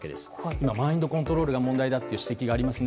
今、マインドコントロールが問題だという指摘がありますね。